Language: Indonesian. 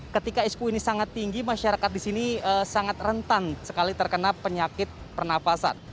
ketika ispu ini sangat tinggi masyarakat di sini sangat rentan sekali terkena penyakit pernafasan